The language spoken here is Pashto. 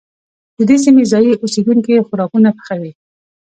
د دې سيمې ځايي اوسيدونکي خوراکونه پخوي.